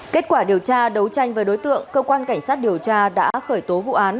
kết quả điều tra đấu tranh với đối tượng cơ quan cảnh sát điều tra đã khởi tố vụ án